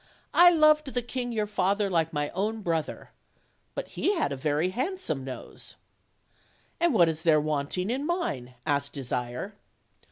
I loved the king your father like my own brother; but he had a very handsome nose." "And what is there wanting in mine?" asked Desire.